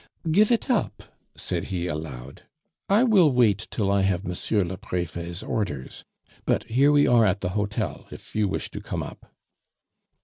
"Give it up?" said he aloud. "I will wait till I have Monsieur le Prefet's orders. But here we are at the hotel, if you wish to come up."